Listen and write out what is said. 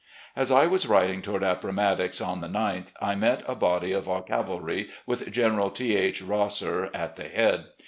As I was riding toward Appomattox on the 9th, I met a body of our cavalry with General T. H. Rosser at the head.